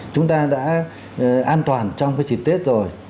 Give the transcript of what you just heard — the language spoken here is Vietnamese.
chúng ta đã an toàn trong cái dịp tết rồi